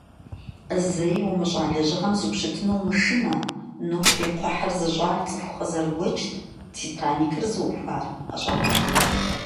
Зэи умыщӏа лэжьыгъэм зупщытыну умышынэ: Нухь и кхъухьыр зыщӏар цӏыху къызэрыгуэкӏт, «Титаникыр» зыухуар ӏэщӏагъэлӏт.